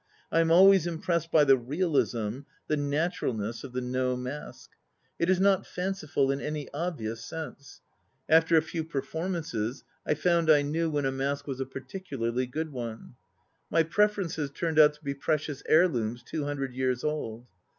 I am always impressed by the realism, the naturalness of the No mask. It is not fanciful in any obvious . After a few performances, I found I knew when a mask was a particularly good one. My preferences turned out to be precious heirlooms two hundred years old.